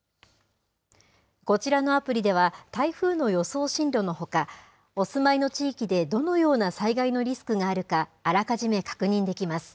こちらのアプリでは、台風の予想進路のほか、お住まいの地域でどのような災害のリスクがあるか、あらかじめ確認できます。